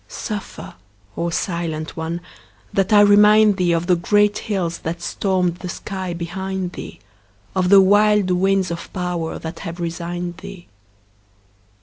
Suffer, O silent one, that I remind thee Of the great hills that stormed the sky behind thee, Of the wild winds of power that have resigned thee.